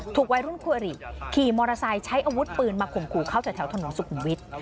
วัยรุ่นคู่อริขี่มอเตอร์ไซค์ใช้อาวุธปืนมาข่มขู่เขาแถวถนนสุขุมวิทย์